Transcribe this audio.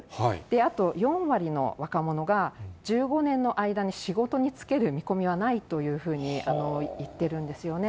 あと４割の若者が１５年の間に仕事に就ける見込みはないというふうに言ってるんですよね。